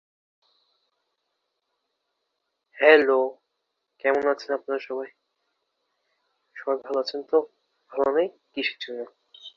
বাঁধা ডিঙিয়ে যাবার সাধনাই অধ্যবসায়, লক্ষ্যে পৌছার সাধনাই অধ্যবসায়।